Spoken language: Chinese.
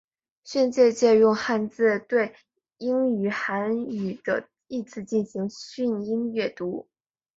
训借借用汉字对应于韩语的意字进行训音阅读。